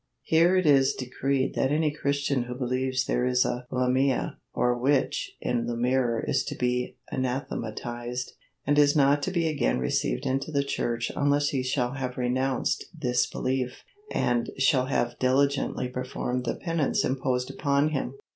Here it is decreed that any Christian who believes there is a Lamia (or witch) in the mirror is to be anathematized, and is not to be again received into the Church unless he shall have renounced this belief and shall have diligently performed the penance imposed upon him.